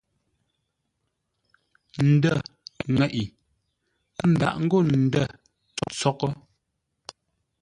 Ndə̂ ŋeʼe, ə́ ndâʼ ngô ndə̂ tsoghʼə.